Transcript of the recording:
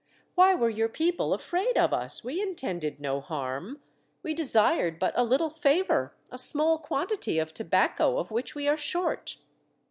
"Why were your people afraid of us? We intended no harm. We desired but a little favour — a small quantity of tobacco, of which we are short."